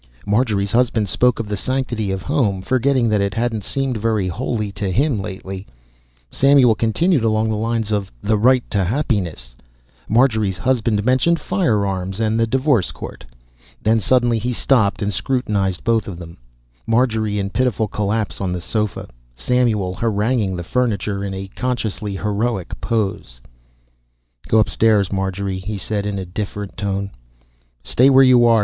Marjorie's husband spoke of the sanctity of the home, forgetting that it hadn't seemed very holy to him lately; Samuel continued along the line of "the right to happiness"; Marjorie's husband mentioned firearms and the divorce court. Then suddenly he stopped and scrutinized both of them Marjorie in pitiful collapse on the sofa, Samuel haranguing the furniture in a consciously heroic pose. "Go up stairs, Marjorie," he said, in a different tone. "Stay where you are!"